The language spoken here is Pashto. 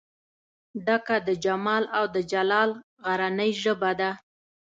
ډکه د جمال او دجلال غرنۍ ژبه ده